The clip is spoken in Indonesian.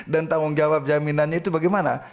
dan tanggung jawab jaminannya itu bagaimana